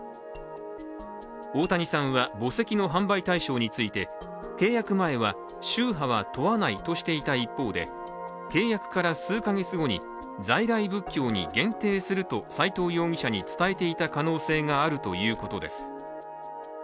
大谷さんは墓石の販売対象について契約前は、宗派は問わないとしていた一方で契約から数か月後に、在来仏教に限定すると斉藤容疑者に伝えていた可能性があるということです。